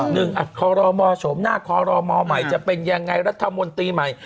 คอรมอโฉมหน้าคอรมอใหม่จะเป็นยังไงรัฐมนตรีใหม่